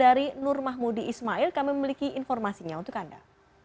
dari nur mahmudi ismail kami memiliki informasinya untuk anda